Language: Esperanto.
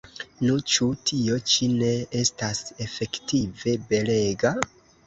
Nu, ĉu tio ĉi ne estas efektive belega?